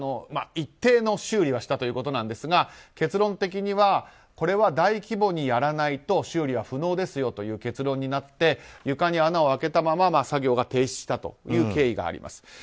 一定の修理はしたということですが結論的にはこれは大規模にやらないと修理は不能ですよという結論になって床に穴を開けたまま作業が停止したという経緯があります。